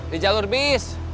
di jalur bis